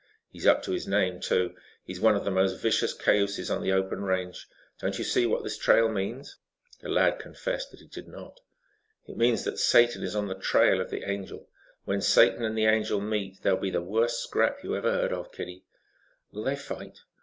He's up to his name too. He's one of the most vicious cayuses on the open range. Don't you see what this trail means?" The lad confessed that he did not. "It means that Satan is on the trail of the Angel. When Satan and the Angel meet there'll be the worst scrap you ever heard of, kiddie." "Will they fight?"